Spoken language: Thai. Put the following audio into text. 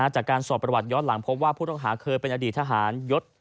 จากการสอบประวัติย้อนหลังพบว่าผู้ต้องหาเคยเป็นอดีตทหารยศ